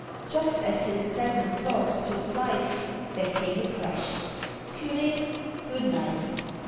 Just as his pleasant thoughts took flight, There came a crash... Curé, good night!